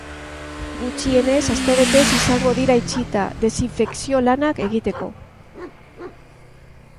Gutxienez astebetez izango dira itxita, desinfekzio-lanak egiteko.